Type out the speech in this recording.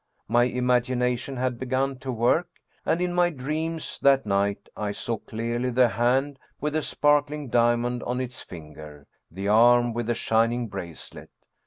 My im agination had begun to work, and in my dreams that night I saw clearly the hand with the sparkling diamond on its 139 German Mystery Stories finger, the arm with the shining bracelet.